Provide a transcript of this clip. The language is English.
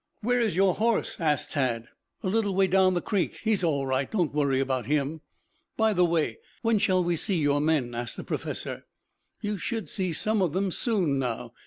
"Where is your horse?" asked Tad. "A little way down the creek. He's all right. Don't worry about him." "By the way, when shall we see your men?" asked the professor. "You should see some of them soon now.